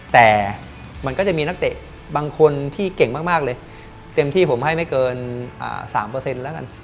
แต่มันก็จะมีนักเตะบางคนที่เก่งมากเลยเต็มที่ผมให้ไม่เกิน๓แล้วกัน